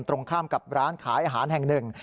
ตรงข้ามกับร้านขายอาหารแห่งหนึ่ง